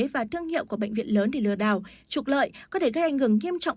và thương hiệu của bệnh viện lớn để lừa đảo trục lợi có thể gây ảnh hưởng nghiêm trọng